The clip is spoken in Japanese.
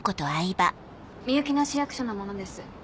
みゆきの市役所の者です。